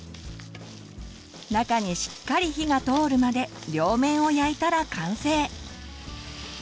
中にしっかり火が通るまで両面を焼いたら完成。